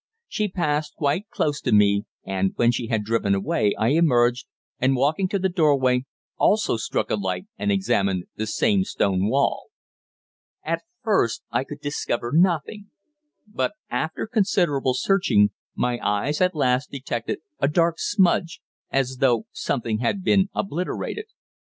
She passed quite close to me, and when she had driven away I emerged, and, walking to the doorway, also struck a light and examined the same stone wall. At first I could discover nothing, but after considerable searching my eyes at last detected a dark smudge, as though something had been obliterated.